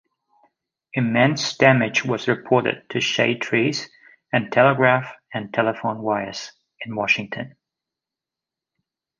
"Immense" damage was reported to shade trees and telegraph and telephone wires in Washington.